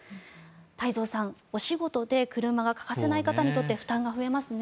太蔵さん、お仕事で車が欠かせない方にとって負担が増えますね。